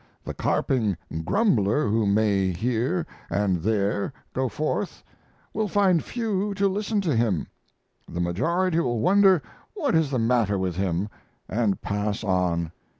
The carping grumbler who may here and there go forth will find few to listen to him. The majority will wonder what is the matter with him, and pass on.